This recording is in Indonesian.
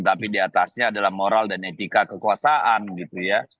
tapi diatasnya adalah moral dan etika kekuasaan gitu ya